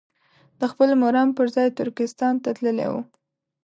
د خپل مرام پر ځای ترکستان ته تللي وي.